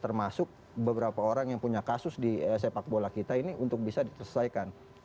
termasuk beberapa orang yang punya kasus di sepak bola kita ini untuk bisa diselesaikan